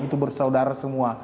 itu bersaudara semua